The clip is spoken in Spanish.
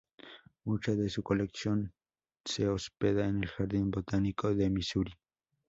Mucha de su colección se hospeda en el Jardín Botánico de Misuri.